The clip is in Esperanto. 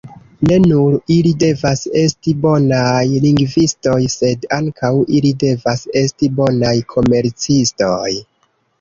Ne nur ili devas esti bonaj lingvistoj, sed ankaŭ ili devas esti bonaj komercistoj.